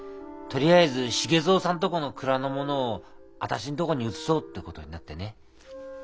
とりあえず繁蔵さんとこの蔵のものを私んとこに移そうって事になってね。